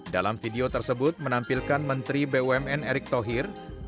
dalam video tersebut menampilkan menteri bumn erick thohir